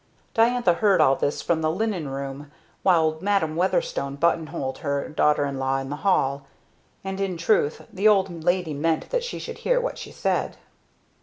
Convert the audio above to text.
Diantha heard all this from the linen room while Madam Weatherstone buttonholed her daughter in law in the hall; and in truth the old lady meant that she should hear what she said.